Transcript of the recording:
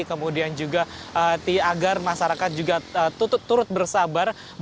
kemudian juga agar masyarakat juga turut bersabar